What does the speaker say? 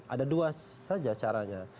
ada dua saja caranya